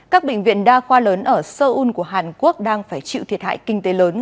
các bệnh viện đa khoa lớn ở seoul của hàn quốc đang phải chịu thiệt hại kinh tế lớn